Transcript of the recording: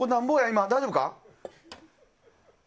今、大丈夫か？